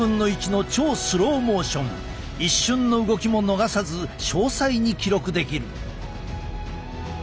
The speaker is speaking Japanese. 一瞬の動きも逃さず詳細に記録できる。